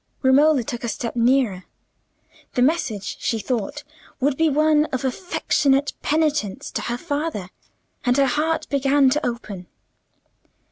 Romola took a step nearer: the message, she thought, would be one of affectionate penitence to her father, and her heart began to open.